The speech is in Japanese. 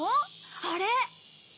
あれ！